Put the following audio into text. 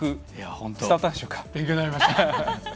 本当、勉強になりました。